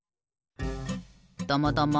どもども。